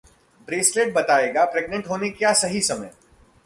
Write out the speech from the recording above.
bracelet बताएगा pregnant होने का सही समय